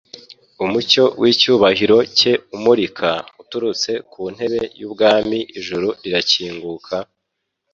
Umucyo w'icyubahiro cye umurika uturutse ku ntebe y'Ubwami. Ijuru rirakinguka,